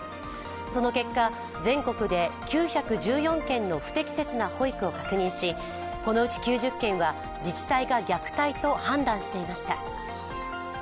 その結果、全国で９１４件の不適切な保育を確認しこのうち９０件は自治体が虐待と判断していました。